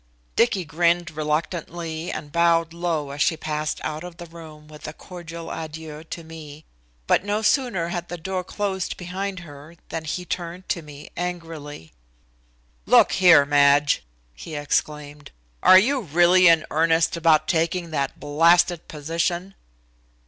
Dicky grinned reluctantly and bowed low as she passed out of the room with a cordial adieu to me, but no sooner had the door closed behind her than he turned to me angrily. "Look here, Madge," he exclaimed, "are you really in earnest about taking that blasted position?"